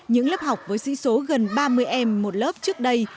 những lớp học với sĩ số gần ba mươi em một lớp trước đây